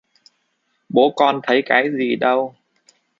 Bố con thấy cái gì đâu